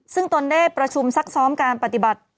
ซึ่งตนได้ประชุมซักซ้อมการปฏิบัติ